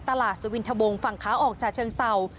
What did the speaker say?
สวินทะวงฝั่งขาออกจากเชิงเศร้า